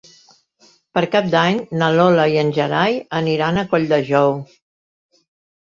Per Cap d'Any na Lola i en Gerai aniran a Colldejou.